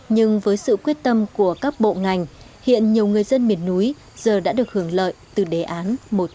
nhưng với sự quyết tâm của các bộ ngành hiện nhiều người dân miền núi giờ đã được hưởng lợi từ đề án một trăm chín mươi